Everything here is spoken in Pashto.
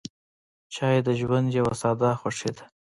چای د ژوند یوه ساده خوښي ده.